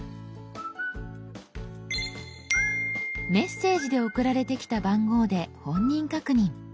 「メッセージ」で送られてきた番号で本人確認。